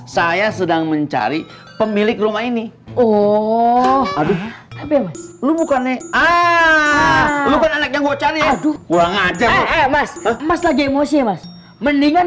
saya sedang mencari pemilik rumah ini oh aduh lu bukan nih